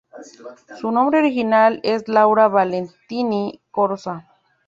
Su nombre original es Laura Valentini Corsa.